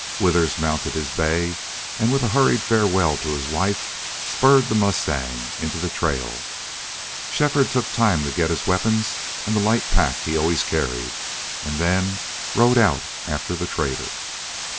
Withers mounted his bay and with a hurried farewell to his wife spurred the mustang into the trail. Shefford took time to get his weapons and the light pack he always carried, and then rode out after the trader.